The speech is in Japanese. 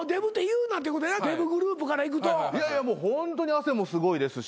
いやいやもうホントに汗もすごいですし。